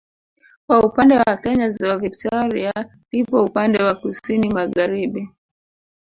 Kwa upande wa Kenya ziwa Victoria lipo upande wa kusini Magharibi